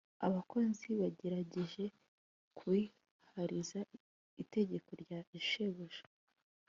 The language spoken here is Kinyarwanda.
abakozi bagerageje kubahiriza itegeko rya shebuja